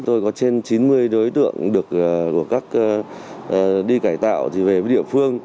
tôi có trên chín mươi đối tượng được của các đi cải tạo thì về với địa phương